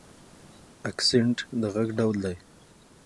اکسنټ د غږ ډول دی.